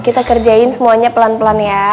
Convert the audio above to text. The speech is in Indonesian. kita kerjain semuanya pelan pelan ya